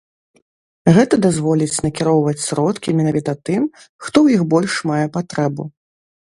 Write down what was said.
Гэта дазволіць накіроўваць сродкі менавіта тым, хто ў іх больш мае патрэбу.